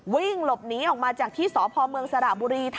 วิ่งหลบหนีออกมาจากที่สพเมืองสระบุรี